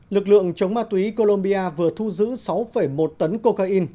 lực lượng chống ma túy colombia vừa thu giữ sáu một tấn cocaine